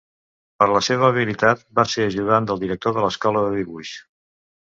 Per la seva habilitat va ser ajudant del director de l'Escola de dibuix.